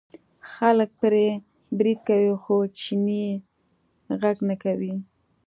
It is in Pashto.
خلک پرې برید کوي خو چینی غږ نه کوي.